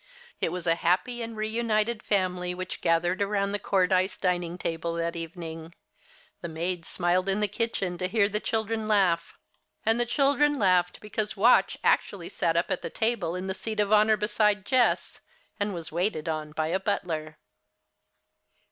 It was a happy and reunited family which gathered around the Cordyce dining table that evening. The maids smiled in the kitchen to hear the children laugh; and the children laughed because Watch actually sat up at the table in the seat of honor beside Jess, and was waited upon by a butler.